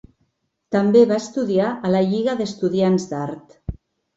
També va estudiar a la Lliga d'estudiants d'art.